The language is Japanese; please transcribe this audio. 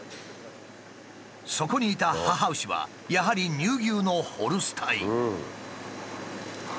そこにいた母牛はやはり乳牛のホルスタイン。